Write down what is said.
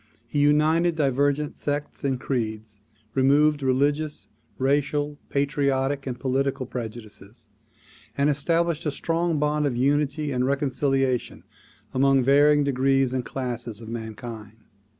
He united divergent sects and creeds, removed religious, racial, patriotic and political prejudices and established a strong bond of unity and reconciliation among varying degrees and classes of mankind.